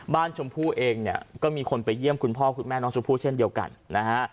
ชมพู่เองเนี่ยก็มีคนไปเยี่ยมคุณพ่อคุณแม่น้องชมพู่เช่นเดียวกันนะฮะ